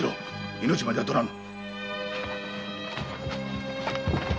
命までは取らぬ。